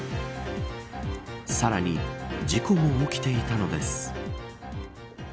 さらに事故も起きていたのです。